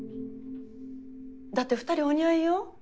だって二人お似合いよ？